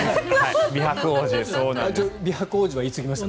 美白王子は言いすぎました。